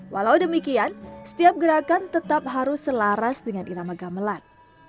walau demikian setiap gerakan tetap harus selaras dengan irama gamelan